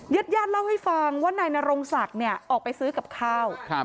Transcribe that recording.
ญาติญาติเล่าให้ฟังว่านายนรงศักดิ์เนี่ยออกไปซื้อกับข้าว